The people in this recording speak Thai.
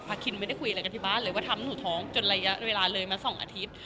คินไม่ได้คุยอะไรกันที่บ้านเลยว่าทำให้หนูท้องจนระยะเวลาเลยมา๒อาทิตย์